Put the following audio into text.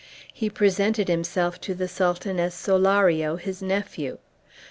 He presented himself to the Sultan as Solario, his nephew.